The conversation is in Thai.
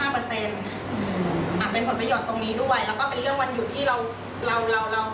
แฟนเราเป็นคนที่พูดจางบ้านค่ะ